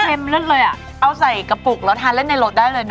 เอาหมูมัวก็ได้เป็นอย่างนี้นะนะครับดูหน่อย